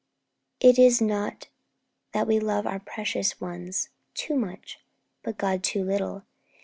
It is not that we love our precious ones Too much, but God too little.